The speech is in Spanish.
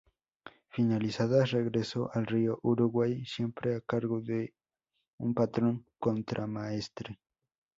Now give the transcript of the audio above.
Finalizadas, regresó al río Uruguay siempre a cargo de un patrón contramaestre.